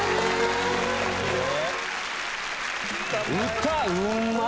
歌うまっ。